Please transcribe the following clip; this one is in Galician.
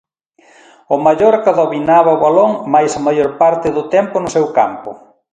O Mallorca dominaba o balón mais a maior parte do tempo no seu campo.